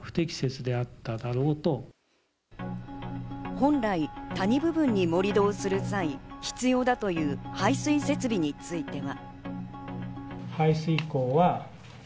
本来、谷部分に盛り土をする際、必要だという排水設備については。